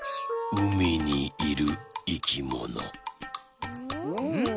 うみにいるいきもの。